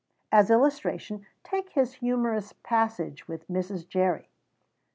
As illustration, take his humourous passage with Mrs. Jerry.